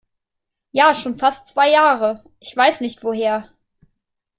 Ja, schon fast zwei Jahre. Ich weiß nicht woher.